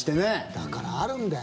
だからあるんだよ